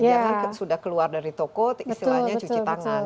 jangan sudah keluar dari toko istilahnya cuci tangan